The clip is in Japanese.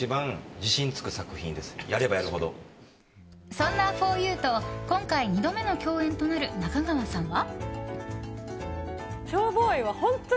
そんな、ふぉゆと今回２度目の共演となる中川さんは。